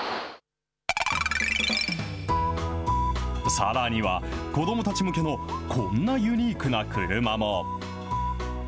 さらには、子どもたち向けのこんなユニークな車も。